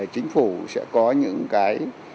chính phủ sẽ có những cái